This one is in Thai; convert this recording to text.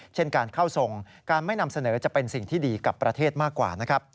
เช่นการเข้าทรงการไม่นำเสนอจะเป็นสิ่งที่ดีกับประเทศมากกว่านะครับ